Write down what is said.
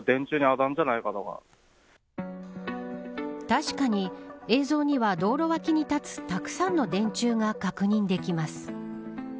確かに、映像には道路脇に立つたくさんの電柱が確認できます。